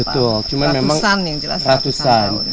betul ratusan yang jelas ratusan tahun